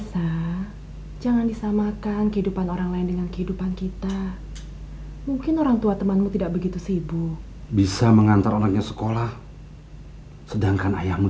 saya nikahkan saudara dengan anak kandung saya